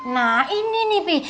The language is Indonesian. nah ini nih pi